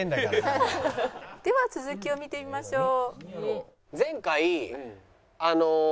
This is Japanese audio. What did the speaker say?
では続きを見てみましょう。